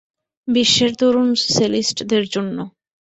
বিশ্বের তরুণ সেলিস্টদের জন্য।